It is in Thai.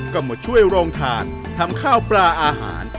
ก็มาช่วยโรงทานทำข้าวปลาอาหาร